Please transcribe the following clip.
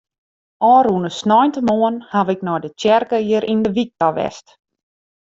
Ofrûne sneintemoarn haw ik nei de tsjerke hjir yn de wyk ta west.